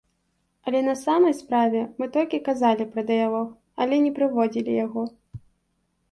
Але на самай справе мы толькі казалі пра дыялог, але не праводзілі яго.